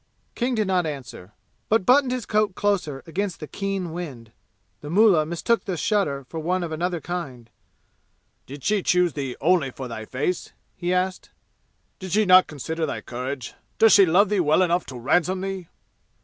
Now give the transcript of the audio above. King did not answer, but buttoned his coat closer against the keen wind. The mullah mistook the shudder for one of another kind. "Did she choose thee only for thy face?" he asked. "Did she not consider thy courage? Does she love thee well enough to ransom thee?"